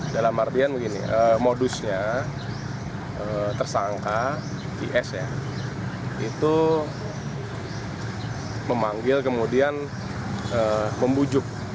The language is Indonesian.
dalam artian begini modusnya tersangka is ya itu memanggil kemudian membujuk